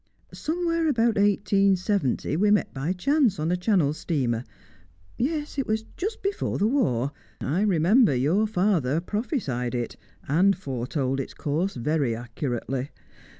Somewhere about 1870 we met by chance, on a Channel steamer; yes, it was just before the war; I remember your father prophesied it, and foretold its course very accurately.